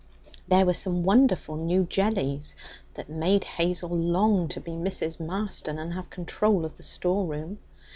There were some wonderful new jellies that made Hazel long to be Mrs. Marston and have control of the storeroom.